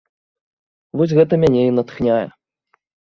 Вось гэта мяне і натхняе.